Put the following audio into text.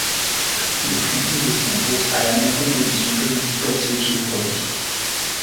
Le fonds négocié en bourse a la même composition que l’indice boursier qu’il reproduit.